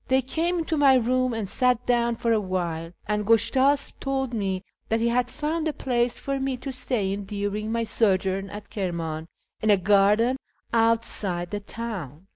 They came into my room and sat down for a while, and Gushtasp told me that he had found a place for me to stay in during my sojourn at Kirman in a garden outside the town.